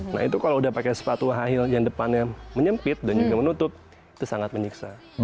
nah itu kalau udah pakai sepatu highl yang depannya menyempit dan juga menutup itu sangat menyiksa